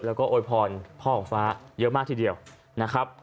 แล้วก็โวยพรพ่อของฟ้าเยอะมากทีเดียวนะครับ